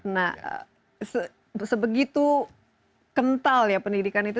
nah sebegitu kental ya pendidikan itu